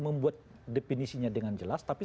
membuat definisinya dengan jelas tapi